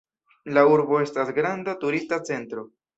La urbo estas granda turista centro.